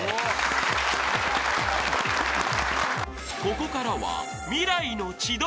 ［ここからは］